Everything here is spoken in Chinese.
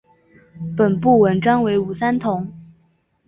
本部纹章为五三桐。